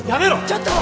ちょっと。